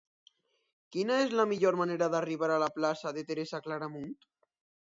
Quina és la millor manera d'arribar a la plaça de Teresa Claramunt?